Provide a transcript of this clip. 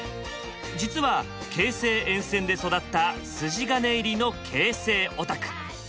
実は京成沿線で育った筋金入りの京成オタク！